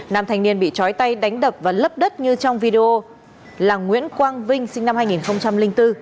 nam thanh niên bị chói tay đánh đập và lấp đất như trong video là nguyễn quang vinh sinh năm hai nghìn bốn